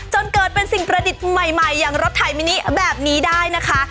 จนเกิดเป็นสิ่งประดิษฐ์ใหม่อย่างรถไถมินิแบบนี้ได้นะคะ